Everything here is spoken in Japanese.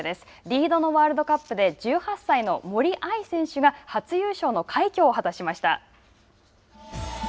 「リード」のワールドカップで１８歳の森秋彩選手が初優勝の快挙を果たしました。